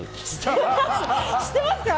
知ってますか？